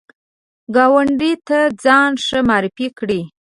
ګاونډي ته ځان ښه معرفي کړه